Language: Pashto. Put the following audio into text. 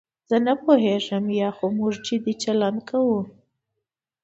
زه نه پوهېږم یا خو موږ جدي چلند کوو.